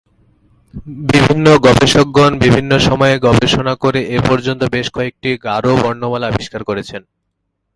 বিভিন্ন গবেষকগণ বিভিন্ন সময়ে গবেষণা করে এ পর্যন্ত বেশ কয়েকটি গারো বর্ণমালা আবিষ্কার করেছেন।